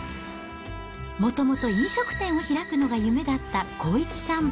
もともと飲食店を開くのが夢だった康一さん。